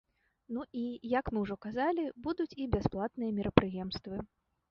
Ну і, як мы ўжо казалі, будуць і бясплатныя мерапрыемствы.